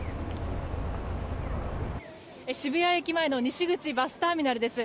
渋谷駅前の西口バスターミナルです。